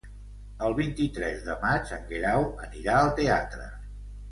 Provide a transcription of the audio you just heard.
El vint-i-tres de maig en Guerau anirà al teatre.